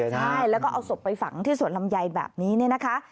ใช่แล้วก็เอาศพไปฝังที่สวนลำไยแบบนี้เนี่ยนะคะ